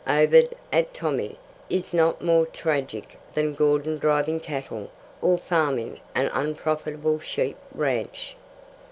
Ovid at Tomi is not more tragic than Gordon driving cattle or farming an unprofitable sheep ranch.